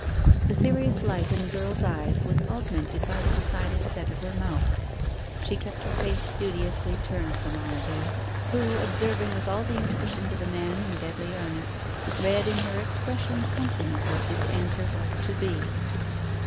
The serious light in the girl's eyes was augmented by the decided set of her mouth. She kept her face studiously turned from Iredale, who, observing with all the intuition of a man in deadly earnest, read in her expression something of what his answer was to be.